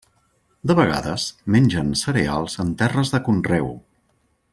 De vegades, mengen cereals en terres de conreu.